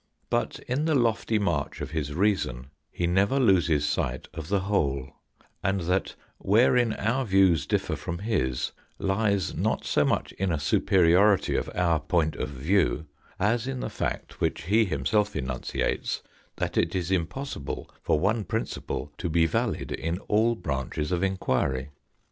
But in the lofty march of his reason he never loses sight of the whole ; and that wherein our views differ from his lies not so much in a superiority of our point of view, as in the fact which he himself enunciates that it is im possible for one principle to be valid in all branches of enquiry.